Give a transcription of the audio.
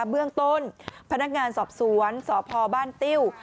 เบื้องต้นพนักงานสอบสวนสพบ้านติ้ว